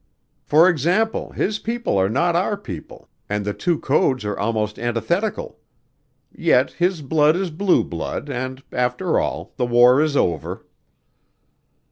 "For example, his people are not our people and the two codes are almost antithetical. Yet his blood is blue blood and, after all, the war is over."